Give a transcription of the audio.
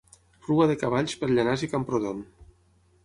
Rua de cavalls per Llanars i Camprodon.